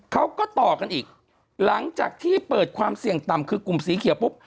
เขาก็ต่อกันอีกหลังจากที่เปิดความเสี่ยงต่ำคือกลุ่มสีเขียวปุ๊บ